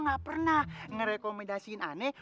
nggak pernah ngerekomendasiin aneh